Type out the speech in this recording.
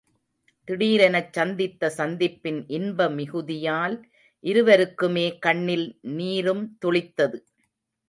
திடீரெனச் சந்தித்த சந்திப்பின் இன்ப மிகுதியால் இருவருக்குமே கண்ணில் நீரும் துளித்தது.